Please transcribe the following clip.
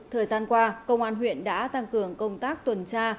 thời gian qua công an huyện đã tăng cường công tác tuần tra